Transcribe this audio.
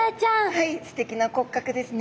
はいすてきな骨格ですね。